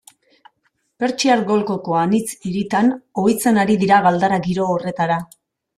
Pertsiar Golkoko anitz hiritan ohitzen ari dira galdara giro horretara.